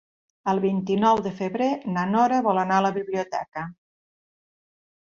El vint-i-nou de febrer na Nora vol anar a la biblioteca.